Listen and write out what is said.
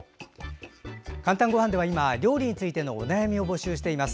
「かんたんごはん」では今料理についてのお悩みを募集しています。